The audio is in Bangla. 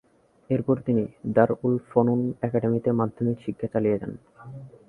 এরপর তিনি দার-ওল-ফনউন একাডেমিতে মাধ্যমিক শিক্ষা চালিয়ে যান।